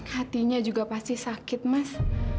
hatinya juga pasti sakit mas